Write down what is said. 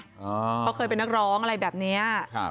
เพราะเคยเป็นนักร้องอะไรแบบนี้